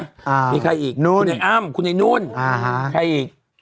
อ่ามีใครอีกนู่นคุณไอ้อ้ำคุณไอ้นุ่นอ่าฮะใครอีก